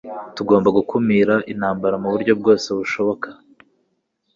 Tugomba gukumira intambara muburyo bwose bushoboka.